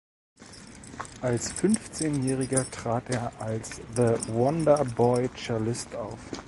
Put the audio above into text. Als Fünfzehnjähriger trat er als „The Wonder Boy Cellist“ auf.